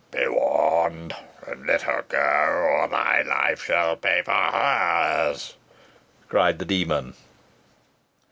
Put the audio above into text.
"Be warned, and let her go, or thy life shall pay for her's," cried the demon.